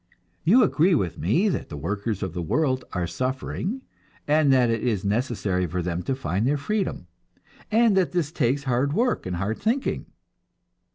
You agree with me that the workers of the world are suffering, and that it is necessary for them to find their freedom, and that this takes hard work and hard thinking.